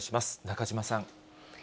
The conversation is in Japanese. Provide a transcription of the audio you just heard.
中島さん。